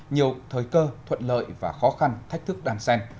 nhiều thời cơ thuận lợi và khó khăn thách thức đàn sen